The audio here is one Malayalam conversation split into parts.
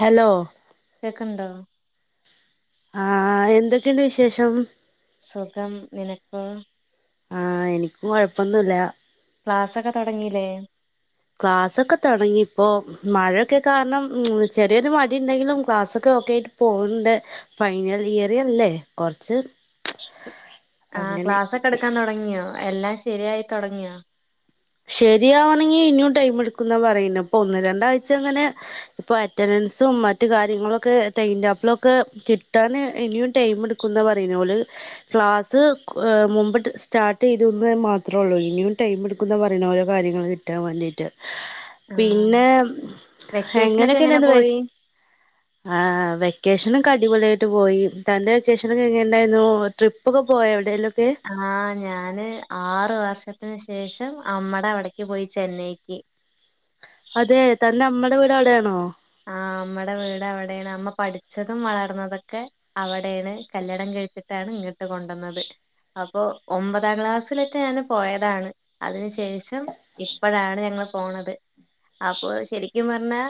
ഹലോ കേൾക്കുന്നുണ്ടോ ആഹ എന്തൊക്കെയുണ്ട് വിശേഷം സുഖം നിനക്കൊ ആഹ എനിക്കും കൊഴപ്പൊന്നുമില്ല ക്ലാസ്സൊക്കെ തുടങ്ങീല്ലേ ക്ലാസ്സൊക്കെ തുടങ്ങി ഇപ്പോ മഴയൊക്കെ കാരണം ചെറിയൊരു മഴ ഉണ്ടെങ്കിലും ക്ലാസ്സൊക്കെ ഒക്കൊയിട്ട് പോകണ്ട് ഫൈനൽ ഇയറല്ലേ കൊറച്ച് ആ അങ്ങനെ ക്ലാസ്സൊക്കെ എടുക്കാൻ തുടങ്ങിയോ എല്ലാ ശരിയായി തുടങ്ങിയാ ശരിയാവാണെങ്കി ഇനിയും ടൈം എടുക്കുന്ന പറയുന്നു ഇപ്പൊ ഒന്ന് രണ്ടാഴ്ച അങ്ങനെ ഇപ്പൊ അറ്റൻഡൻസും മറ്റ് കാര്യങ്ങളൊക്കെ ടൈംടേബിൾളൊക്കെ കിട്ടാന് ഇനിയും ടൈം എടുക്കുന്ന പറയന്നെ ഒരു ക്ലാസ്സ് മുമ്പട്ട് സ്റ്റാർട്ട് ചെയ്തുന്നു മാത്രേള്ളൂ ഇനിയും ടൈം എടുക്കും എന്താ പറയുന്ന ഓരോ കാര്യങ്ങളൾ കിട്ടാൻ വേണ്ടിയിട്ട് ആഹ് പിന്നെ വെക്കേഷനൊക്കെ എങ്ങനെയൊക്കെ എങ്ങനെ ഉണ്ടായിരുന്നു വെ പോയി ആ ആ വെക്കേഷനൊക്കെ അടിപൊളിയായിട്ട് പോയി തന്റെ വെക്കേഷനൊക്കെ എങ്ങനെ ഉണ്ടായിരുന്നു ട്രിപ്പ് ഒക്കെ പോയാ എവിടെലും ആഹ ഞാന് ആറ് വർഷത്തിന് ശേഷം അമ്മടെ അവിടക്ക് പോയി ചെന്നൈക്ക് അതെ തന്നെ അമ്മടെ വീട് അവിടെയാണോ ആ അമ്മടെ വീട് അവിടെയാണ് അമ്മ പഠിച്ചതും വളർന്നതൊക്കെ അവിടെയാണ് കല്യാണം കഴിച്ചിട്ടാണ് ഇങ്ങോട്ട് കൊണ്ടുവന്നത് അപ്പൊ ഒമ്പതാം ക്ലാസ്സിലിട്ട് ഞാന് പോയതാണ് അതിന് ശേഷം ഇപ്പോഴാണ് ഞങ്ങള് പോണത് അപ്പൊ ശരിക്കും പറഞ്ഞാ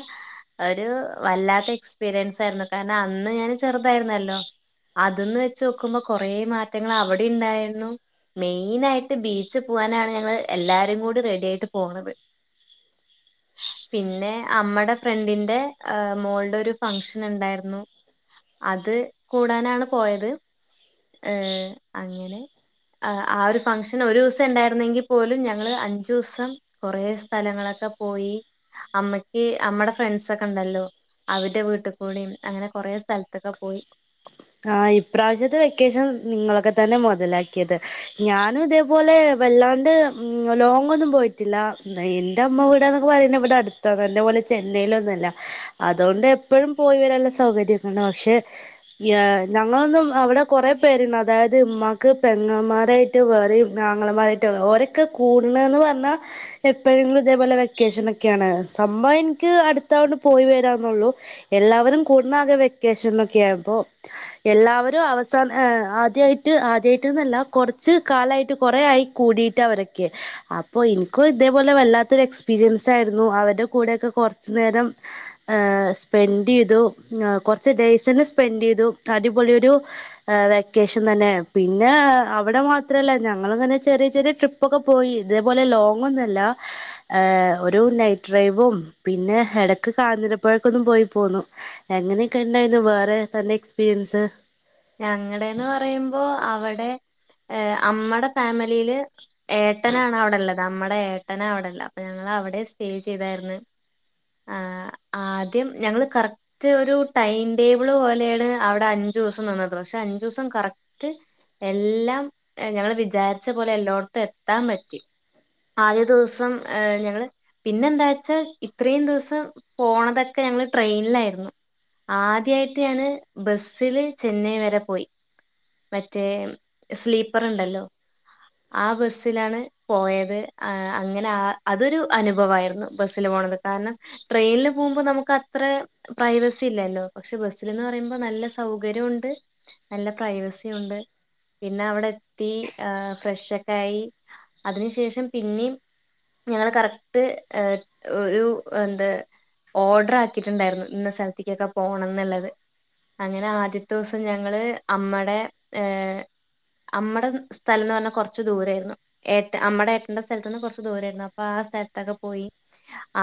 അതൊരു വല്ലാത്ത എക്സ്പിരിയൻസ് ആരുന്നു കാരണം ആന്ന് ഞാൻ ചെറുതാരുന്നല്ലോ അതുന്ന് വെച്ച്നോക്കുമ്പോ കൊറെ മാറ്റങ്ങള് അവിടെ ഇണ്ടായിരുന്നു മെയ്നായിട്ട് ബീച്ച് പൂവനാണ് ഞങ്ങള് എല്ലാരും കൂടി റെഡിയായിട്ട് പോണത് പിന്നെ അമ്മടെ ഫ്രണ്ടിന് ന്റെ ഏഹ് മോൾടെ ഒരു ഫങ്ഷൻ ഒണ്ടാരുന്നു അത് കൂടാനാണ് പോയത് ഏഹ് അങ്ങനെ ആഹ് ആ ഒരു ഫങ്ഷൻ ഒരു ദിവസേ ഇണ്ടാരുന്നെങ്കി പ്പോലും ഞങ്ങള് അഞ്ചുസം കൊറെ സ്ഥലങ്ങളക്ക പോയി അമ്മക്ക് അമ്മട ഫ്രണ്ട്‌സ് ത്ത കണ്ടല്ലോ അവര്ട വീട്ടികൂടി അങ്ങനെ കൊറെ സ്ഥലത്തൊക്കെ പോയി ആഹ് ഈ പ്രാവശ്യത്തെ വെക്കേഷൻ നിങ്ങളൊക്ക തന്നെ മൊതലാക്കിയത് ഞാനും ഇതേ പോലെ വല്ലോന്റേം ഉം ലോങ്ങ്‌ ഒന്നും പോയിട്ടില്ല എന്റെ അമ്മവീട് എന്നൊക്കെ പറയുന്നത് ഇവിടെ അടുത്താണ് നിന്നപോലെ ചെനൈലൊന്നും അല്ലാ അതുകൊണ്ട് എപ്പോഴും പൊയ് വരാനുള്ള സൗകാര്യക്കെ ഉണ്ടാക്കും ഷേ യാ ഞങ്ങളൊന്നും അവിടെ കൊറെ പേരുണ്ടാകും അതായത് ഉമ്മാക്ക് പെങ്ങമ്മാരായിട്ട് വേറേം ആങ്ങള മാരായിട്ട് വേറെ ഓരെക്കെ കൂടണേന്ന് പറഞ്ഞാ എപ്പഴങ്കിലും ഇതേപോലെ വെക്കേഷനിലൊക്കെ ആണ് സംഭവം എനിക്ക് അടുത്താണ് പൊയ് വരവുന്നെ ഒള്ളു എല്ലാവരും കൂടാണത് ആകെ വെക്ക്കേഷനിൽ ഒക്കെ ആണ് അപ്പൊ എല്ലാവരും അവസാന എഹ് ആദ്യായിട്ട് ആദ്യായിട്ടൊന്നുവല്ല കൊറച്ച് കാലായിട്ട് കൊറെ ആയി കൂടീട്ട് ആവരൊക്കെ അപ്പൊ ഇനിക്കും ഇതേ പോലെ വല്ലാത്തൊരു എക്സ്പീരിയൻസ് അയ്രുന്നു അവര്ടെ കൂടെക്കെ കൊറച്ച് നേരം ഏഹ് സ്‌പെന്റ ചെയ്തു ആഹ് കുറച്ചു ഡേയ്‌സ് തന്നെ സ്‌പെന്റ ചെയ്തു അടിപൊളി ഒരു ആഹ് വെക്കേഷൻ തന്നെ പിന്നെ അവിടെ മാത്രം അല്ലാ ഞങ്ങള് എന്ന് പറഞ്ഞാ ചെറിയ ചെറിയ ട്രിപ്പ്‌ ഒക്കെ പോയി ഇദേപോലെ ലോങ്ങ്‌ ഒന്നും അല്ലാ ഏഹ് ഒരു നൈറ്റ്‌ ഡ്രൈവും പിന്നെ എടക്ക് കാഞ്ഞരപള്ളിക്കൊന്നും പോയി പോന്നു എങ്ങനെക്കെ ഇണ്ടാരുന്നു വേറെ തന്റെ എക്സ്പ് പിരിയൻസ് ഞങ്ങടേന്ന് പറയുമ്പോ അവടെ ഏഹ് അമ്മടെ ഫാമിലില് ഏട്ടനാണ് അവിടെ ഇള്ളത് അമ്മടെ ഏട്ടനാ അവിടെ ഇള്ളെ അപ്പ ഞങ്ങള് അവിടെ സ്റ്റേ ചെയ്താരുന്നു ആഹ് ആദ്യം ഞങ്ങൾ കറക്റ്റ് ഒരു ടൈംടേബിള് പോലെണ് അവിട അഞ്ചു ദിവസം നിന്നത് പക്ഷെ അഞ്ച് ദിവസം കറക്റ്റ് എല്ലാം ആഹ് ഞങ്ങള് വിചാരിച്ച പോലെ എല്ലോടുത്തും എത്താൻ പറ്റി ആദ്യദിവസം ഏഹ് ഞങ്ങള് പിന്നെന്താച്ചാ ഇപ്പ് ഇത്രയും ദിവസം പോണതൊക്കെ ഞങ്ങള് ട്രെയിനിലായിരുന്നു ആദ്യായിട്ട് ആണ് ബസ്സില് ചെന്നൈ വരെ പോയി മറ്റേ സ്ലീപ്പർ ഉണ്ടല്ലോ ആ ബസ്സിലാണ് പോയത് ആഹ് അങ്ങനെ ആഹ് അതൊരു അനുഭവായിരുന്നു ബസ്സില് പോണത് കാരണം ട്രെയിനില് പോകുമ്പോ നമുക്ക് അത്രെ പ്രൈവസി ഇല്ലല്ലോ പക്ഷെ ബസിൽന്ന് പറയുമ്പോ നല്ല സൗകര്യണ്ട് നല്ല പ്രൈവസി ഉണ്ട് പിന്നെ അവിടെ എത്തി ആഹ് ഫ്രഷ്ഒക്കെ ആയി അതിനു ശേഷം പിന്നേം ഞങ്ള് കറക്ട് ഒരു എന്ത് ഓർഡർ ആക്കിയിട്ടുണ്ടായിരുന്നു ഇന്ന സ്ഥലത്തേക്കൊക്കെ പോണം എന്ന്ള്ളത് അങ്ങനെ ആദ്യത്തെ ദിവസം ഞങ്ങള് അമ്മടെ ഏഹ് അമ്മടെ സ്ഥലംന്ന് പറഞ്ഞ കൊറച്ച് ദൂരേരുന്നു ഏട്ട അമ്മടെ ഏട്ടന്റെ സ്ഥലത്തിന്ന് കൊറച്ച് ദൂരേര്ന്ന് അപ്പ ആ സ്ഥലത്തൊക്കെ പോയി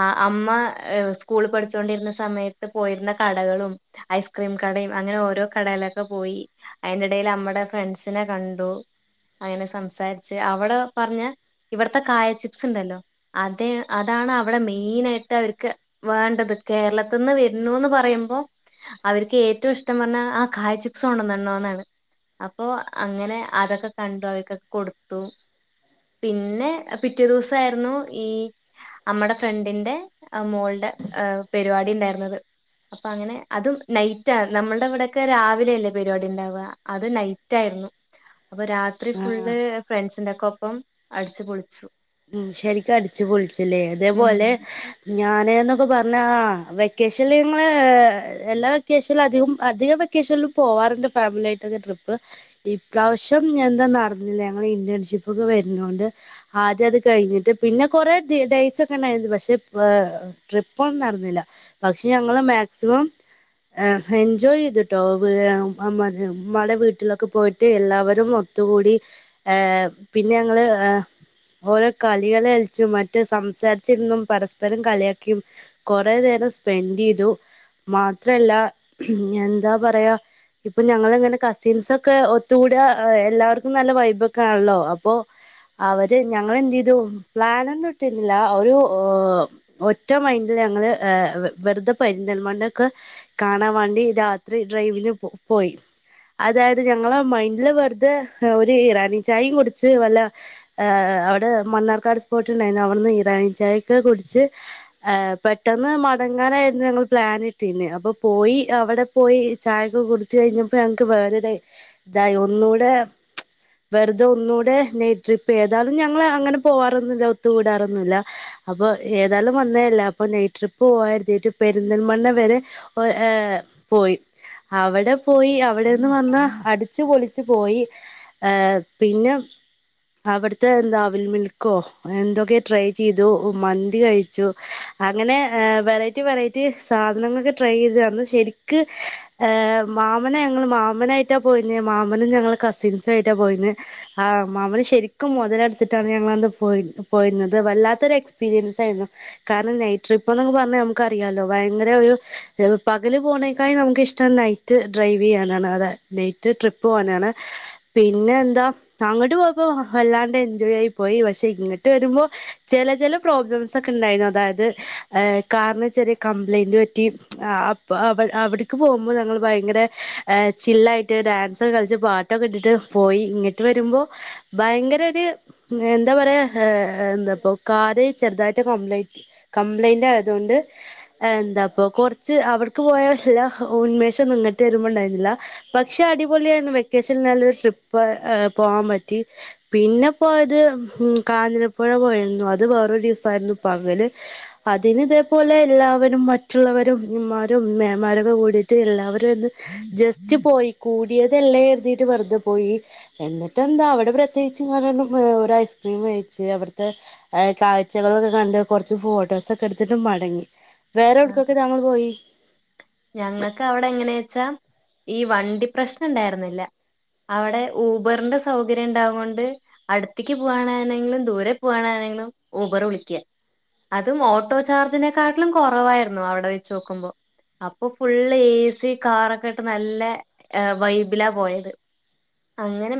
ആ അമ്മ ഏഹ് സ്കൂളില് പഠിച്ചൊണ്ടിരുന്ന സമയത്ത് പോയിരുന്ന കടകളും ഐസ്ക്രീം കടയും അങ്ങനെ ഓരോ കടയിലൊക്കെ പോയി അതിന്റെ ഇടെല് അമ്മട ഫ്രണ്ട്സിനെ കണ്ടു അങ്ങനെ സംസാരിച്ച് അവിടെ പറഞ്ഞ ഇവിടത്തെ കായ ചിപ്സ് ഇണ്ടല്ലോ അതെ അതാണ് അവിടെ മെയ് ഈനേട്ട് അവർക്ക് വേണ്ടത് കേരളത്തിന്ന് വരുന്നുന്ന് പറയുമ്പോ അവർക്ക് ഏറ്റവും ഇഷ്ടം പറഞ്ഞാ ആ കായ്ചികപ്സ് കൊണ്ടന്നൊണ്ണോന്നാണ് അപ്പോ അങ്ങനെ അതൊക്കെ കണ്ടു അവർക്കൊക്കെ കൊടുത്തു പിന്നെ പിറ്റേ ദിവസാരുന്നു ഈ അമ്മട ഫ്രണ്ടിന്റെ ആ മോള്ടെ ആഹ് പരിപാടി ഇണ്ടാര്ന്നത് അപ്പ അങ്ങനെ അതും നൈറ്റാര്ന്ന് നമ്മുടെ ഇവിടെക്കെ രാവിലെല്ലേ പരിപാടി ണ്ടാവുക അത് നൈറ്റ് ആയിരുന്നു അപ്പൊ രാത്രി ആഹ് ഫുൾഡേ ഫ്രണ്ട്സിന്റെക്കൊ അപ്പം അടിച്ചു പൊളിച്ചു ഉം ശരിക്കും അടിച്ചു പൊളിച്ച് ല്ലേ ഉം അതേപോലെ ഞാനെന്നും ഇപ്പ പറഞ്ഞ ആ വെക്കേഷൻല് നമ്മളെ എല്ലാ വെക്കേഷനിലും അധികം അധികം വെക്കേഷനിലും പോവാറുണ്ട് ഫാമിലിയായിട്ടൊക്കെ ട്രിപ്പ് ഇപ്രാവശ്യം എന്താ നടന്നില്ല ഞങ്ങള് ഇന്റേൺഷിപ്പ് ഒക്കെ വരുന്നോണ്ട് ആദ്യത് കഴിഞ്ഞിട്ട് പിന്നെ കൊറെ ദി ഡേയ്സ് ഒക്കെ ഉണ്ടായിരുന്നു പക്ഷെ പാ ട്രിപ്പൊന്നും നടന്നില്ല പക്ഷെ ഞങ്ങള് മാക്സിമം ആഹ് എൻജോയ് ചെയ്തിട്ടോ വി ആം അമ്മാരി ഉമ്മാടെ വീട്ടിലൊക്കെ പോയിട്ട് എല്ലാവരും ഒത്തുകൂടി ഏഹ് പിന്നെ ഞങ്ങള് ആഹ് ഓരോ കളികള്കൾച്ചും മറ്റ് സംസാരിച്ചിരിന്നും പരസ്പരം കളിയാക്കിയും കൊറേ നേരം സ്പെൻഡ് ചെയ്തു മാത്രല്ല എന്താ പറയാ ഇപ്പൊ ഞങ്ങളങ്ങനെ കസിൻസൊക്കെ ഒത്തുകൂടിയആഹ് എല്ലാവർക്കും നല്ല വൈബൊക്കാണല്ലോ അപ്പൊ അവര് ഞങ്ങള് എന്ത് ചെയ്തു പ്ലനൊന്നും ഇട്ടിര്ന്നില്ല ഒരു ഓ ഒറ്റ മൈൻഡില് ഞങ്ങള് ഏഹ് വെറുതെ പെരിന്തൽമണ്ണക്ക് കാണാൻ വേണ്ടി രാത്രി ഡ്രൈവിന് പോയി അതായത് ഞങ്ങള് മൈൻഡില് വെറുതെ ഒരു ഇറാനി ചായയും കുടിച്ച് വല്ല അവിടെ മണ്ണാർക്കാട് സ്പോട്ട് ഉണ്ടായിരുന്നു അവിടുന്ന് ഇറാനി ചായൊക്കെ കുടിച്ച് ആഹ് പെട്ടെന്ന് മടങ്ങാനായിരുന്നു ഞങ്ങൾ പ്ലാൻ ഇട്ടിര്ന്നെ അപ്പ പോയി അവിടെ പോയി ചായക്കൊക്കെ കുടിച്ച് കഴിഞ്ഞപ്പോ ഞങ്ങക്ക് വേറൊരു ഇതായ ഒന്നുകൂടെ വെറുതെ ഒന്നുകൂടെ നൈട്രിപ്പ് ഏതാ ഞങ്ങള് അങ്ങനെ പോവാറൊന്നും ഇല്ല ഒത്തുകൂടാറൊന്നുംല്ല അപ്പൊ ഏതാലും വന്നേല്ല അപ്പൊ നൈറ്റ് ട്രിപ്പ് പോവാര്തിട്ട് പെരിന്തൽമണ്ണ വരെ പോയ് ഏഹ് പോയി അവിടെ പോയി അവിടെന്ന് വന്ന് അടിച്ച് പൊളിച്ച് പോയി ഏഹ് പിന്നെ അവിട് ഇ തെന്താ അവിൽ മിൽക്കോ എന്തൊക്കെ ട്രൈ ചെയ്തു മന്തി കഴിച്ചു അങ്ങനെ വെറൈറ്റി വെറൈറ്റി സാധനങ്ങളൊക്കെ ട്രൈ ചെയ്തു അന്ന് ശരിക്ക് ഏഹ് മാമനെ ഞങ്ങള് മാമനായിട്ടാ പോയിന്ന് മാമനും ഞങ്ങളെ കസിൻസും ആയിട്ടാ പോയിന്ന് ആ മാമന് ശരി ക്കു മുതലെടുത്തിട്ടാണ് ഞങ്ങന്ന് പോയി പോയിരുന്നത് വല്ലാത്തൊരു എക്സ്പീരിയൻസ് ആയിരുന്നു കാരണം നൈറ്റ് ട്രിപ്പ് എന്നൊക്കെ പറഞ്ഞാൽ നമുക്കറിയാല്ലോ ഭയങ്കര ഒരു പകല് പോണേക്കാളും നമുക്കിഷ്ടം നൈറ്റ് ഡ്രൈവ് ചെയ്യാനാണ് അതെ നൈറ്റ് ട്രിപ്പ് പോകാനാണ് പിന്നെ എന്താ അങ്ങോട്ട് പോയപ്പോ ആഹ് വല്ലാണ്ട് എൻജോയ് ആയി പോയി പക്ഷെ ഇങ്ങട്ട് വരുമ്പോ ചെല ചെല പ്രോബ്ലംസ് ഒക്കെ ഇണ്ടാരുന്നു അതായത് ഏഹ് കാറിന് ചെറിയ കംപ്ലയിന്റ് പറ്റി അ അപ്പ അവിട് അവിട്ക്ക് പോകുമ്പോഴ് ഞങ്ങള് ഭയങ്കര ഏഹ് ചില്ലായിട്ട് ഡാൻസൊക്കെ കളിച്ച് പാട്ടൊക്കെ ഇട്ടിട്ട് പോയി ഇങ്ങിട്ട് വരുമ്പോ ഭയങ്കര ഒരു എന്താ പറയാ ഏഹ് എന്താ പ്പോ കാറ് ചെറുതായിട്ട് കംപ്ലൈൻറ്റ് കംപ്ലൈയിന്റ് ആയതുകൊണ്ട് എന്താപ്പ കുറച്ച് അവിട്ക്ക് പോയ എല്ലാ ഉന്മേഷംന്നും ഇങ്ങിട്ട് വരുമ്പോണ്ടായിരുന്നില്ല പക്ഷെ അടിപൊളിയായിരുന്നു വെക്കേഷനിൽല്ലരു ട്രിപ്പ് ഏഹ് പോകാൻ പ റ്റി പിന്ന പോയത് കാഞ്ഞരപ്പുഴ പോയരുന്നു അത് വേറൊരു ദിവസാരുന്നു പകല് അതിന് ഇതേപോലെ എല്ലാവരും മറ്റുള്ളവരുംമാരും മേന്മാരൊക്കെ കൂടിട്ട് എല്ലാവരും ഒന്ന് ജസ്റ്റ് പോയി കൂടിയതല്ലേ കര്തിട്ട് വെറുതെ പോയി എന്നിട്ട് എന്താ അവ അവിടെ പ്രത്യേകിച്ച് ഇങ്ങനെന്നും ഒരു ഐസ്ക്രീമ് കഴിച്ച് അവിട്ത്തെ ഏഹ് കാഴ്ചകളൊക്കെ കണ്ട് കൊറച്ച് ഫോട്ടോസൊക്കെ എടുത്തിട്ട് മടങ്ങി വേറെ എവിടക്കൊക്കെ താങ്കൾ പോയി ഞങ്ങൾക്ക് അവിടെ എങ്ങനെച്ചാ ഈ വണ്ടി പ്രശ്നം ണ്ടായിരുന്നില്ല അവിടെ ഊബറിന്റെ സൗകര്യം ഇണ്ടാവ്കൊണ്ട് അടുത്തെക്ക് പോവാണാണെങ്കിലും ദൂരെ പോവാണാണെങ്കിലും ഊബർ വിളിക്യാ അതും ഓട്ടോ ചാർജിനെക്കാട്ടിലും കുറവായിരുന്നു അവിടെ വെച്ച് നോക്കുമ്പോ അപ്പൊ ഫുള്ള് ഏ സി കാറൊക്കെ ഇട്ട് നല്ല ഏഹ് വൈബിലാ പോയത് അങ്ങനെ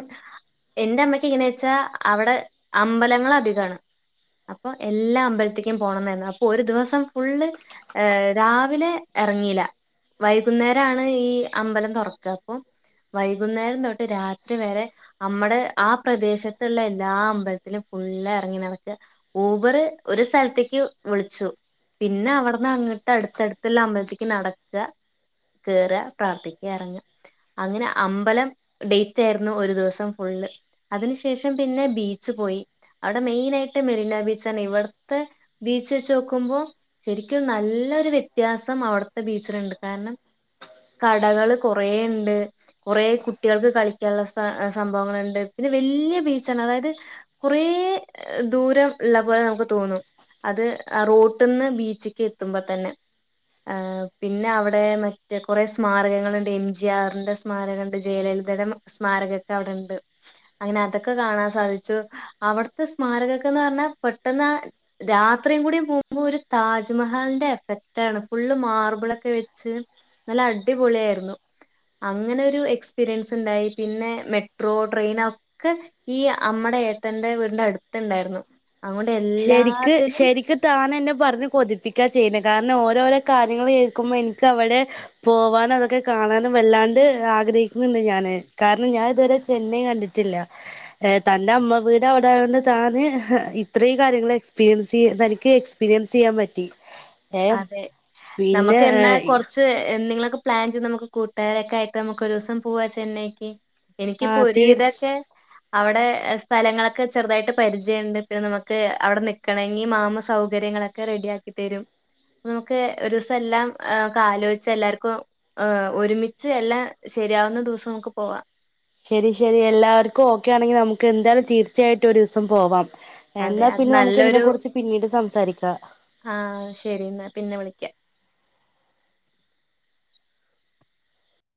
എന്റെ അമ്മക്ക് ഇങ്ങനെ വെച്ചാ അവിടെ അമ്പലങ്ങളധികാണ് അപ്പൊ എല്ലാ അമ്പലത്തേക്കും പോണംന്നാരുന്നു അപ്പൊ ഒരു ദിവസം ഫുള്ള് ഏഹ് രാവിലെ എറങ്ങില്ല വൈകുന്നേരാണ് ഈ അമ്പലം തുറക്ക അപ്പം വൈകുന്നേരം തൊട്ട് രാത്രി വരെ അമ്മടെ ആ പ്രദേശത്തുള്ള എല്ലാ അമ്പലത്തിലും ഫുള് എറങ്ങിനടക്ക ഊബറ് ഒരു സ്ഥലത്തേക്ക് വിളിച്ചു പിന്നെ അവിടന്ന് അങ്ങട്ട് അടുത്തടുത്തുള്ള അമ്പലത്തി ത്തിക്ക് നടക്ക കേറ് പ്രാർത്ഥിക്കുക ഇറങ്ങ അങ്ങനെ അമ്പലം ഡേറ്റ് ആയിരുന്നു ഒരു ദിവസം ഫുള്ള് അതിനു ശേഷം പിന്നെ ബീച്ച് പോയി അവിടെ മെയിനയിട്ട് മെറീന ബീച്ചണ് ഇവിടുത്തെ ബീച്ച് വെച്ച് നോക്കുമ്പോൾ ശരിക്കും നല്ലൊരു വ്യത്യാസം അവിട് ത്തെ ബീച്ചിലുണ്ട് കാരണം കടകൾ കുറേ ഉണ്ട് കുറേ കുട്ടികൾക്ക് കളിക്കാനുള്ള സ്ഥ സംഭവങ്ങളുണ്ട് പിന്നെ വല്യ ബീച്ചാണ് അതായത് കുറേ ദൂരം ഇള്ള പോലെ നമുക്ക് തോന്നും അത് റോട്ടിന്ന് ബീച്ചക്ക് എത്തുമ്പ തന്നെ ആഹ് പിന്ന അവിടെ മറ്റേ കുറേ സ്മാരകങ്ങളുണ്ട് എം ജി ആറിന്റെ സ്മാരകം ഉണ്ട് ജയലളിതയുടെ സ്മാരകൊക്കെ അവിടെണ്ട് അങ്ങനെ അതൊക്കെ കാണാൻ സാധിച്ചു അവിടുത്തെ സ്മാരകക്കെന്ന് പറഞ്ഞാ പെട്ടെന്ന് ആ രാത്രിയും കൂടി പോകുമ്പോൾ ഒരു താജ്മഹാളിന്റെ എഫക്റ്റണ് ഫുള്ള് മാർബിളൊക്കെ വെച്ച് നല്ല അടിപൊളിയായിരുന്നു അങ്ങനെ ഒരു എക്സ്പീരിയൻസ് ഉണ്ടായി പിന്നെ മെട്രോ ട്രെയിൻ ഒക്കെ ഈ അമ്മടെ ഏട്ടന്റെ വീടിന്റെ അടുത്തുണ്ടായിരുന്നു അതുകൊണ്ട് ശരിക്ക് എല്ലാത്തിനും ശരിക്ക് താൻ എന്നെ പറഞ്ഞ് കൊതിപ്പിക്കാ ചെയ്യുന്ന കാരണം ഓരോരോ കാര്യങ്ങൾ കേൾക്കുമ്പോൾ എനിക്ക് അവിടെ പോവാനും അതൊക്കെ കാണാനും വല്ലാണ്ട് ആഗ്രഹിക്കുന്നുണ്ട് ഞാന് കാരണം ഞാൻ ഇതുവരെ ചെന്നൈ കണ്ടിട്ടില്ല തന്റെ അമ്മ വീട് അവിടെ ആയോണ്ട് താന് ഇത്രയും കാര്യങ്ങൾ എക്സ്പീരിയൻസ് ചെയ് തനിക്ക് എക്സ്പീരിയൻസ് ചെയ്യാൻ പറ്റി ഏ അതെ പിന്നെ നമുക്ക് എന്നാ കൊറച്ച് എന്തെങ്കി പ്ലാൻ ചെയ്ത് നമുക്ക് കൂട്ടുകാരൊക്കെ ആയിട്ട് നമുക്ക് ഒരു ദിവസം പോവാ ചെന്നൈക്ക് ആ എനിക്കിപ്പോ തീർച്ച ഒരുവിധൊക്കെ അവിടെ സ്ഥലങ്ങളൊക്കെ ചെറുതായിട്ട് പരിചയണ്ട് പിന്നെ നമുക്ക് അവിടെ നിക്കണെങ്കിൽ മാമ സൗകര്യങ്ങളൊക്കെ റെഡി ആക്കി തരും നമുക്ക് ഒരുസം എല്ലാം ആലോയിച്ച് എല്ലാർക്കും ഏഹ് ഒരുമിച്ച് എല്ലാം ശരിയാവുന്ന ദിവസം നമുക്ക് പോവാം ശരി ശരി എല്ലാവർക്കും ഓക്കെ ആണെങ്കിൽ നമുക്ക് എന്തായാലും തീർച്ചയായിട്ടും ഒരു ദിവസം പോവാം അതെ എന്നാ അത് പിന്നെ നമുക്ക് ഇതിനെ നല്ലൊരു കുറിച്ച് പിന്നീട് സംസാരിക്കാം ആഹ് ശരി ന്നാ പിന്നെ വിളിക്കാ